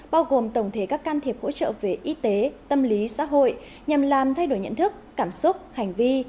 bao gồm tổng thể các can thiệp hỗ trợ về y tế tâm lý xã hội nhằm làm thay đổi nhận thức cảm xúc hành vi